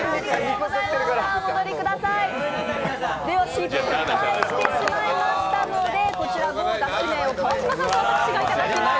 失敗してしまいましたので熬ｇｏｕだし麺を川島さんと私がいただきます。